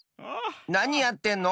なにやってんの？